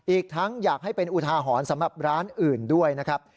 อีกทั้งอยากให้เป็นอุทาหรณ์สำหรับร้านอื่นด้วยนะครับ